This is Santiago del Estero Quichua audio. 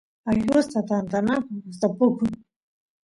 allusta tantanaku gustapukun